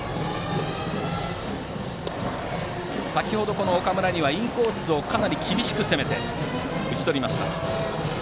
先程、岡村にはインコースをかなり厳しく攻めて打ち取りました。